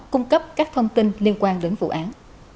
cung cấp các thông tin liên quan đến vụ án